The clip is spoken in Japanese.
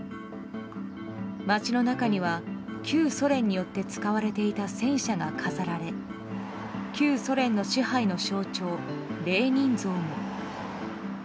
街の中には旧ソ連によって使われていた戦車が飾られ旧ソ連の支配の象徴レーニン像も。